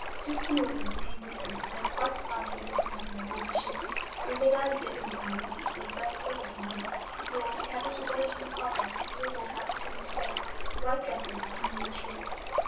Two of the orphans came with them, so there was quite a party of little people on board the ship; and when they landed at Liverpool they must have been a very quaint looking group, for "we had not a bonnet in the party; we all wore caps trimmed with lace, white dresses, and Indian shawls."